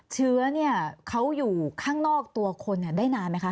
เชื้อเขาอยู่ข้างนอกตัวคนได้นานไหมคะ